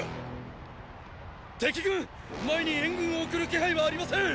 敵軍前に援軍を送る気配はありません！